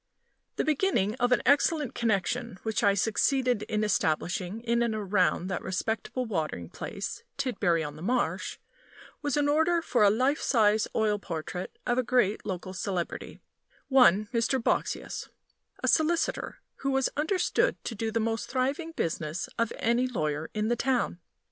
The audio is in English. The beginning of an excellent connection which I succeeded in establishing in and around that respectable watering place, Tidbury on the Marsh, was an order for a life size oil portrait of a great local celebrity one Mr. Boxsious, a solicitor, who was understood to do the most thriving business of any lawyer in the town.